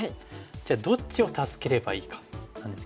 じゃあどっちを助ければいいかなんですけども。